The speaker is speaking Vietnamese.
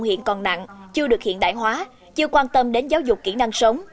hiện còn nặng chưa được hiện đại hóa chưa quan tâm đến giáo dục kỹ năng sống